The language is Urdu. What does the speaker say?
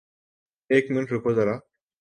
ایک منٹ رکو زرا